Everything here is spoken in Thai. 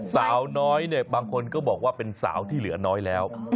สาวน้อยเนี่ยบางคนก็บอกว่าเป็นสาวที่เหลือน้อยแล้ว